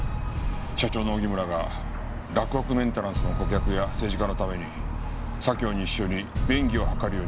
社長の荻村が洛北メンテナンスの顧客や政治家のために左京西署に便宜を図るように依頼してるらしい。